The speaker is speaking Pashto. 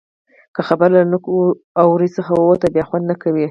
که خبره له نوک او ورۍ څخه ووته؛ بیا خوند نه کوي.